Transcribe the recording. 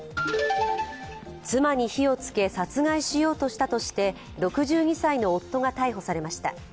妻に火をつけ殺害しようとしたとして６２歳の夫が逮捕されました。